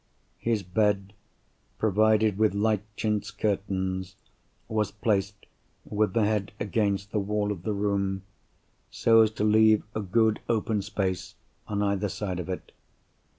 His bed, provided with light chintz curtains, was placed, with the head against the wall of the room, so as to leave a good open space on either side of it.